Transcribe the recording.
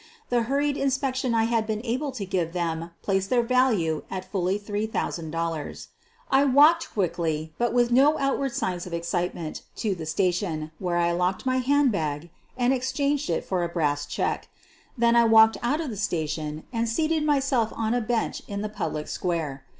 The hurried inspection I had been able to give them placed their value at fully $3,000. I walked quickly, but with no outward signs of excitement to the station, where I locked my hand bag and exchanged it for a brass check. Then I walked out of the station and seated myself on a bench in the public square.